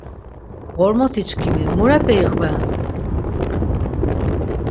Ğormotiçkimi murepe iqven?